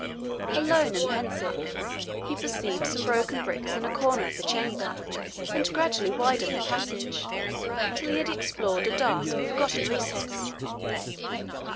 Alone and pensive, he perceived some broken bricks in a corner of the chamber, and gradually widened the passage, till he had explored a dark and forgotten recess.